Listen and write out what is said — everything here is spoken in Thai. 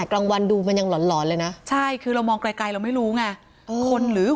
อันละอันนี้หุ่นหรือคน